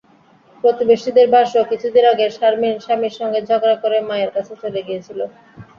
প্রতিবেশীদের ভাষ্য, কিছুদিন আগে শারমিন স্বামীর সঙ্গে ঝগড়া করে মায়ের কাছে চলে গিয়েছিলেন।